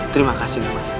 terima kasih nih mas